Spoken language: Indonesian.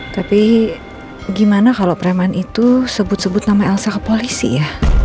tapi gimana kalau preman itu sebut sebut nama elsa ke polisi ya